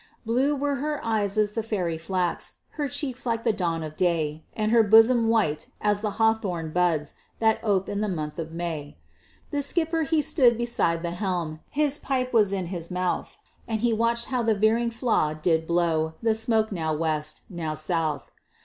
Blue were her eyes as the fairy flax, Her cheeks like the dawn of day, And her bosom white as the hawthorn buds That ope in the month of May. The skipper he stood beside the helm, His pipe was in his mouth, And he watched how the veering flaw did blow The smoke now West, now South.